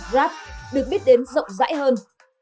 rap được biết đến rộng rãi hơn